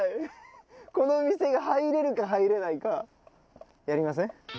この店が入れるか入れないかやりません？